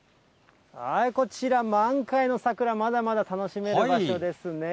こちら、満開の桜、まだまだ楽しめる場所ですね。